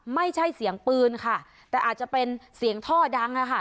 ไม่ใช่เสียงปืนค่ะแต่อาจจะเป็นเสียงท่อดังอะค่ะ